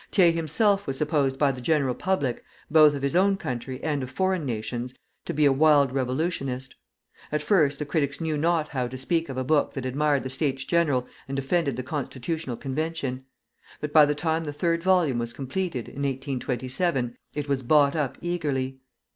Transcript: Thiers himself was supposed by the general public (both of his own country and of foreign nations) to be a wild revolutionist. At first the critics knew not how to speak of a book that admired the States General and defended the Constitutional Convention; but by the time the third volume was completed, in 1827, it was bought up eagerly.